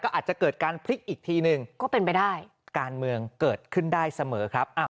อาจจะเกิดการพลิกอีกทีหนึ่งก็เป็นไปได้การเมืองเกิดขึ้นได้เสมอครับ